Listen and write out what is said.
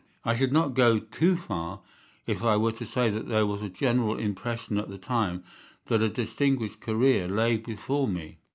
I should not go too far if I were to say that there was a general impression at that time that a distinguished career lay before me.